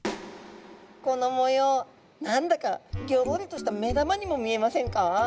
この模様何だかギョロリとした目玉にも見えませんか？